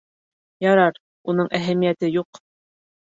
— Ярар, уның әһәмиәте юҡ